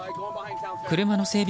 車の整備